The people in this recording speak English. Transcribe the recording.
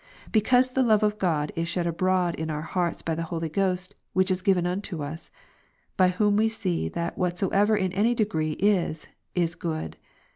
Because the love of God Rom. 5, is shed abroad in our hearts by the Holy Ghost, Which is ^' given unto us : by Whom we see that whatsoever in any degree is, is good.